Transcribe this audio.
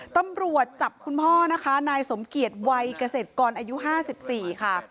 ตำรวจจับคุณพ่อนะคะนายสมเกียจวัยเกษตรกรอายุ๕๔ค่ะ